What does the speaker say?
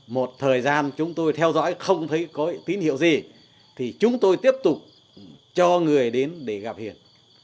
một thời gian chúng tôi theo dõi không thấy có tín hiệu gì thì chúng tôi tiếp tục cho người đến để gặp hiền